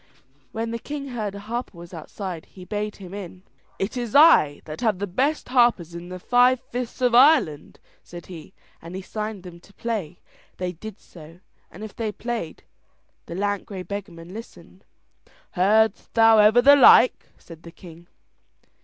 When the king heard a harper was outside, he bade him in. "It is I that have the best harpers in the five fifths of Ireland," said he, and he signed them to play. They did so, and if they played, the lank grey beggarman listened. "Heardst thou ever the like?" said the king.